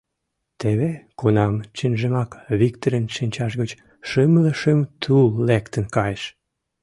Теве кунам чынжымак Виктырын шинчаж гыч шымле шым тул лектын кайыш.